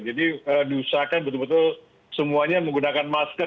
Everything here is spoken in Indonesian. jadi diusahakan betul betul semuanya menggunakan masker